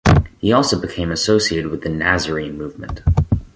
He also became associated with the Nazarene movement.